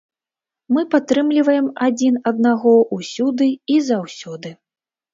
Мы падтрымліваем адзін аднаго ўсюды і заўсёды.